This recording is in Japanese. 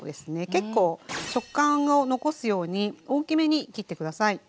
結構食感を残すように大きめに切って下さい。